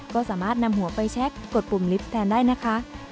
ก็สามารถนำหัวไปแช็กกดปุ่มลิฟต์แทนได้นะคะ